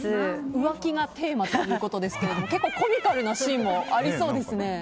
浮気がテーマということですが結構コミカルなシーンもありそうですね。